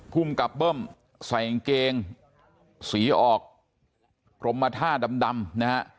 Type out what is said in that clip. คุมกับเบิ้มใส่อังเกงสีออกโครมมะท่าดำดำนะฮะ